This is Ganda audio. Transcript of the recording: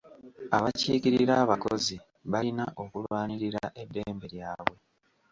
Abakiikirira abakozi balina okulwanirira eddembe lyabwe.